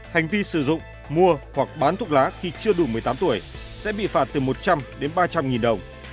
hành vi sử dụng mua hoặc bán thuốc lá khi chưa đủ một mươi tám tuổi sẽ bị phạt từ một trăm linh đến ba trăm linh nghìn đồng